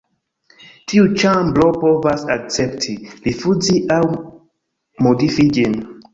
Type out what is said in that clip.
Tiu ĉambro povas akcepti, rifuzi aŭ modifi ĝin.